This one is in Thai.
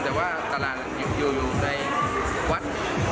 แต่ว่าตลาดอยู่ในวัด